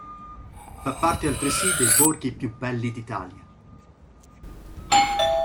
Fa parte altresì dei Borghi più belli d'Italia.